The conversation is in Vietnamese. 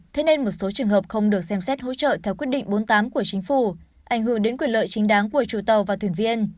thế nên một số trường hợp không được xem xét hỗ trợ theo quyết định bốn mươi tám của chính phủ ảnh hưởng đến quyền lợi chính đáng của chủ tàu và thuyền viên